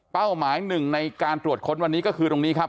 หมายหนึ่งในการตรวจค้นวันนี้ก็คือตรงนี้ครับ